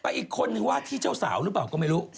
อีกคนนึงว่าที่เจ้าสาวหรือเปล่าก็ไม่รู้